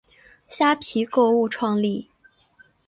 虾皮购物创立。